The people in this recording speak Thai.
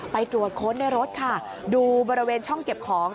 ตรวจค้นในรถค่ะดูบริเวณช่องเก็บของ